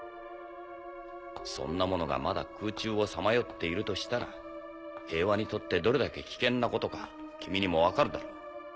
そんなものがまだ空中をさまよっているとしたら平和にとってどれだけ危険なことか君にも分かるだろう。